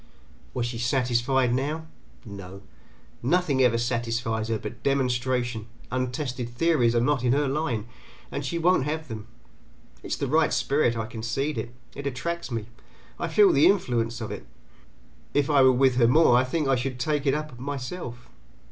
Was she satisfied now? No. Nothing ever satisfies her but demonstration; untested theories are not in her line, and she won't have them. It is the right spirit, I concede it; it attracts me; I feel the influence of it; if I were with her more I think I should take it up myself.